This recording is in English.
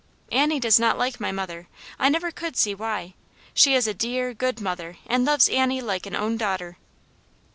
" Annie does not like my mother. I never could see why. She is a dear, good mother, and loves Annie like an own daughter."